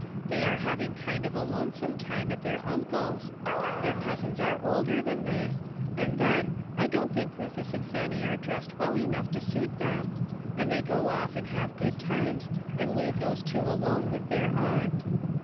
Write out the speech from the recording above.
They are having kind of a lonesome time at their uncle's. Their cousins are older than they ; and then, I don't think Rufus and Fanny are dressed well enough to suit them, and they go off and have good times and leave those two alone with their aunt.